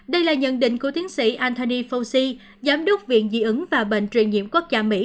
đây là nhận định của tiến sĩ anthony fuci giám đốc viện dị ứng và bệnh truyền nhiễm quốc gia mỹ